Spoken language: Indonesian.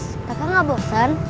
kita kan gak bosen